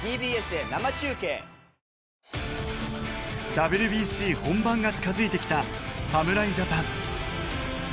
ＷＢＣ本番が近付いてきた侍ジャパン。